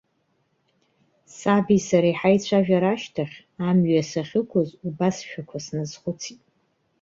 Саби сареи ҳаицәажәара ашьҭахь, амҩа сахьықәыз, убасшәақәа сназхәыцит.